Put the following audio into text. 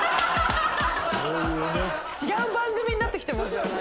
違う番組になってきてます。